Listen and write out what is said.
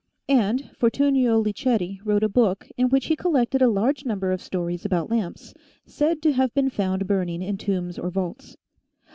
And Fortunio Liceti wrote a book in which he collected a large number of stories about lamps, said to have been found burning in tombs or vaults.